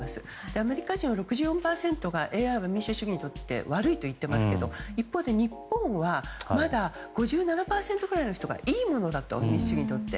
アメリカ人の６４％がＡＩは民主主義にとって悪いと言っていますが一方で日本はまだ５７％ぐらいの人がいいものだと民主主義にとっては。